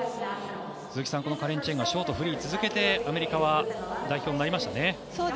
鈴木さん、このカレン・チェンがショート、フリー続けてアメリカの代表になりましたね。